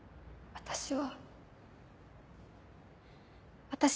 私は。